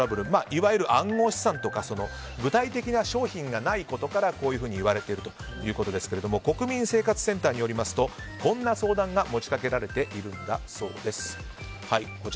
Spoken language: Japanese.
いわゆる暗号資産とか具体的な商品がないことからこういうふうに言われているということですが国民生活センターによりますとこんな相談が持ち掛けられているんだそうです。